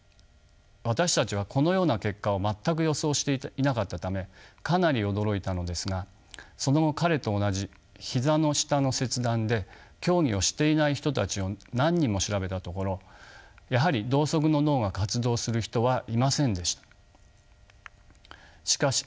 私たちはこのような結果を全く予想していなかったためかなり驚いたのですがその後彼と同じ膝の下の切断で競技をしていない人たちを何人も調べたところやはり同側の脳が活動する人はいませんでした。